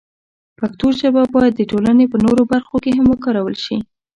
پښتو ژبه باید د ټولنې په نورو برخو کې هم وکارول شي.